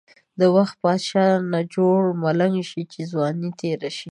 د وخت بادشاه نه جوړ ملنګ شی، چی ځوانی تیره شی.